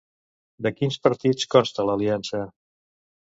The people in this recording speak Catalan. De quins partits consta l'aliança?